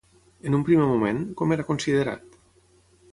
En un primer moment, com era considerat?